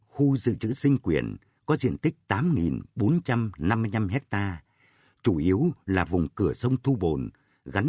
khu dự trữ sinh quyền thế giới củ lao chạm hội an